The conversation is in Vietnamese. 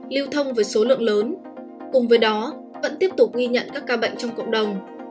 lưu thông với số lượng lớn cùng với đó vẫn tiếp tục ghi nhận các ca bệnh trong cộng đồng